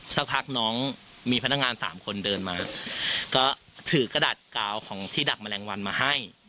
สักพักน้องมีพนักงานสามคนเดินมาก็ถือกระดาษกาวของที่ดักแมลงวันมาให้